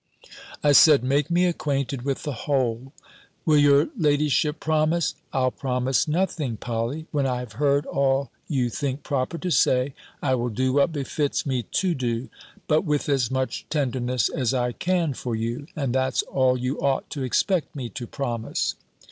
I said, "Make me acquainted with the whole." "Will your ladyship promise " "I'll promise nothing, Polly. When I have heard all you think proper to say, I will do what befits me to do; but with as much tenderness as I can for you and that's all you ought to expect me to promise."